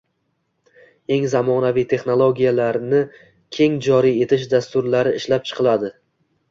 eng zamonaviy texnologiyalarni keng joriy etish dasturlari ishlab chiqiladi